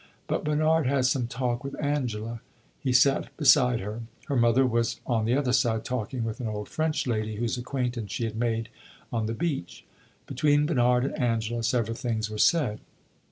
But Bernard had some talk with Angela. He sat beside her her mother was on the other side, talking with an old French lady whose acquaintance she had made on the beach. Between Bernard and Angela several things were said.